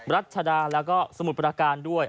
รัชดาแล้วก็สมุทรประการด้วย